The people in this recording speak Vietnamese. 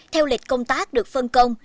theo lịch công tác được phân công